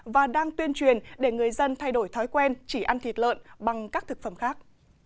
và đang tuyên truyền để người dân thay đổi thói quen chỉ ăn thịt lợn bằng các thực phẩm khác